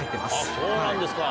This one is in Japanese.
そうなんですか。